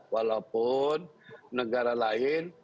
walaupun negara lain